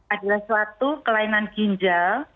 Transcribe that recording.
adalah suatu kelainan ginjal